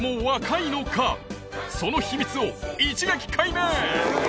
そのヒミツを一撃解明！